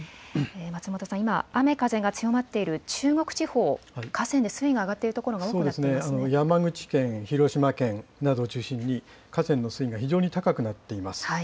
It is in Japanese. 松本さん、今、雨風が強まっている中国地方、河川で水位が上がっ山口県、広島県などを中心に河川の水位が非常に高くなっています。